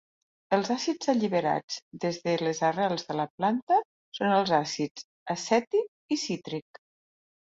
Els àcids alliberats des de les arrels de la planta són els àcids acètic i cítric.